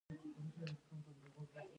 منډیګک په کندهار کې موقعیت لري